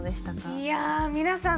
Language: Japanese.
いやあ皆さん